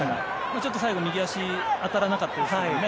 ちょっと最後右足当たらなかったですね。